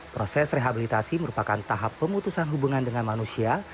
proses rehabilitasi merupakan tahap pemutusan hubungan dengan manusia